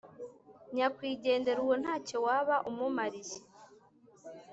Nyakwigendera uwo nta cyo waba umumariye,